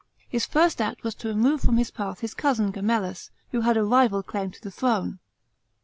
His first act was to remove from his path his cousin Gemellus, who had a rival claim to the throne.